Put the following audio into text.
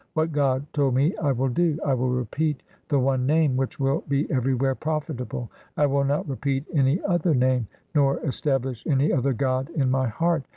What God told me I will do. I will repeat the one Name Which will be everywhere profitable. I will not repeat any other name, Nor establish any other God in my heart.